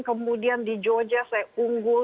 kemudian di georgia saya unggul